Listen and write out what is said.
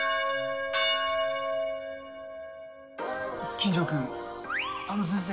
金城くんあの先生